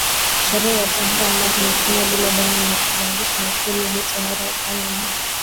sherehe ya tohara ambayo inafanywa bila dawa ya kugandisha misuli Hii tohara hufanywa na